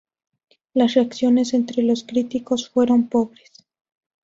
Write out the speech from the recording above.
Las reacciones entre los críticos fueron pobres.